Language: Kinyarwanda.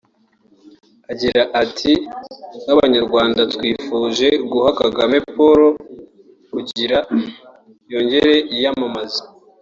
Agira ati “Nk’Abanyarwanda twifuje guha Kagame Paul kugira yongere yiyamamaze